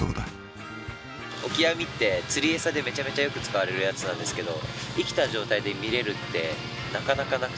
オキアミって釣り餌でめちゃめちゃよく使われるやつなんですけど生きた状態で見れるってなかなかなくて。